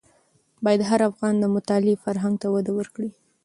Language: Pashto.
باید هر افغان د مطالعې فرهنګ ته وده ورکړي.